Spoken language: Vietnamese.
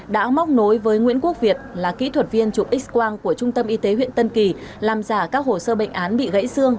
đã móc nối với nguyễn quốc việt là kỹ thuật viên trục x quang của trung tâm y tế huyện tân kỳ làm giả các hồ sơ bệnh án bị gãy xương